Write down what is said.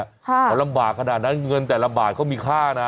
เขาลำบากขนาดนั้นเงินแต่ละบาทเขามีค่านะ